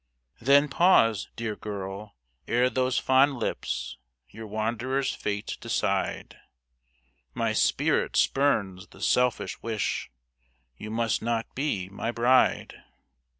Then pause, dear girl! ere those fond lips Your wanderer's fate decide; My spirit spurns the selfish wish You must not be my bride.